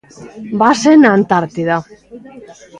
Base na Antártida.